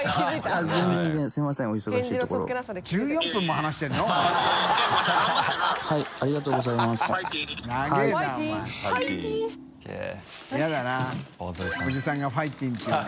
笋世おじさんが「ファイティーン」って言うの。